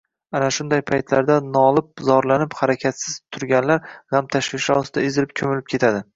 Ana shunday paytlarda nolib, zorlanib, harakatsiz turganlar gʻam-tashvishlar ostida ezilib-koʻmilib ketadi